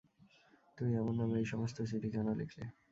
তুমি আমার নামে এই সমস্ত চিঠি কেন লিখলে?